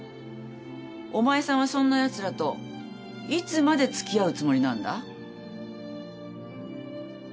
お前さんはそんなやつらといつまで付き合うつもりなんだ？